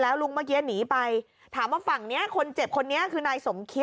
แล้วคนเขาก็ไม่รู้ไงไอ้ถุงคืออะไร